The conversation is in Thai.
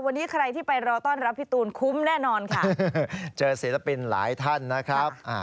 วันนี้ใครที่ไปรอต้อนรับพี่ตูนคุ้มแน่นอนค่ะเจอศิลปินหลายท่านนะครับ